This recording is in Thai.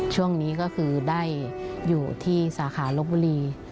ช่วงนี้ก็คือได้อยู่ที่สาขาลบบุรี